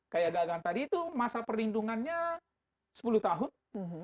kayak gagang tadi itu masa perlindungannya sepuluh tahun